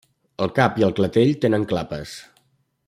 El cap i el clatell tenen clapes.